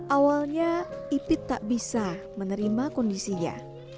awalnya ipit tak bisa menerima kondisinya